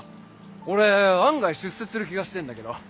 俺案外出世する気がしてんだけど。